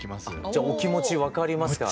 じゃあお気持ち分かりますか？